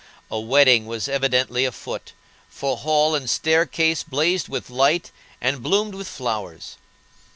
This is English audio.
A wedding was evidently afoot, for hall and staircase blazed with light and bloomed with flowers.